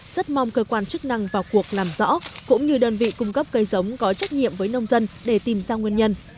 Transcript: rất mong cơ quan chức năng vào cuộc làm rõ cũng như đơn vị cung cấp cây giống có trách nhiệm với nông dân để tìm ra nguyên nhân